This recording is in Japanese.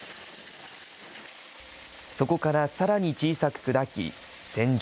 そこからさらに小さく砕き、洗浄。